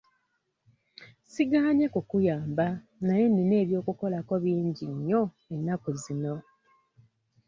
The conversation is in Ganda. Sigaanye kukuyamba naye nnina eby'okukolako bingi nnyo ennaku zino.